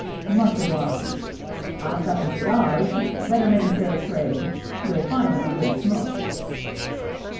" Much obliged. I've got the cigars. Better make a fair trade. You'll find 'em a good smoke."